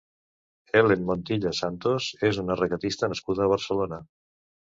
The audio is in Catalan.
Helen Montilla Santos és una regatista nascuda a Barcelona.